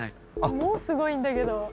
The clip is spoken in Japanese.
もうすごいんだけど。